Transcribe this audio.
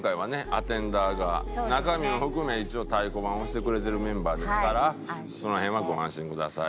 アテンダーが中身を含め一応太鼓判を押してくれてるメンバーですからその辺はご安心ください。